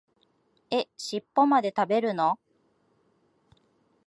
え、しっぽまで食べるの？